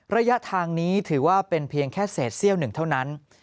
ระยะทางนี้ถือว่าเป็นเพียงแค่เศษเซี่ยวหนึ่งเท่านั้น